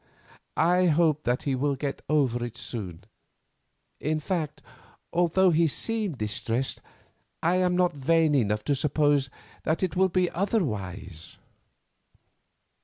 I hope that he will get over it soon; in fact, although he seemed distressed, I am not vain enough to suppose that it will be otherwise.